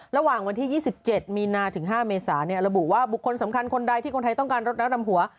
ระหว่างวันที่๒๗มีนาถึง๕เมษาระบุว่าบุคคลสำคัญคนใดที่คนไทยต้องการรถน้ำดำหัว